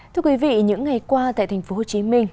thưa quý vị những ngày qua tại tp hcm